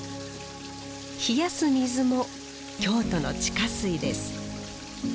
冷やす水も京都の地下水です。